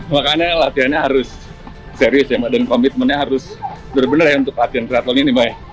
makanya latihannya harus serius ya mbak dan komitmennya harus benar benar ya untuk latihan keraton ini mbak ya